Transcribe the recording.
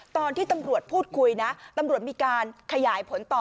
ตอนที่ตำรวจพูดคุยนะตำรวจมีการขยายผลต่อ